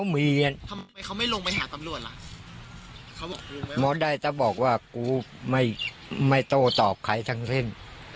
เมียทำไมเขาไม่ลงไปหาตำรวจล่ะเขาบอกหมอใดจะบอกว่ากูไม่โต้ตอบใครทั้งสิ้น